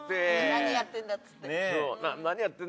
「何やってんだ」っつって。